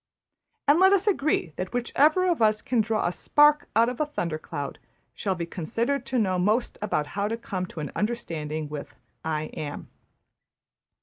And let us agree that whichever of us can draw a spark out of a thundercloud shall be considered to know most about how to come to an understanding with `I Am.'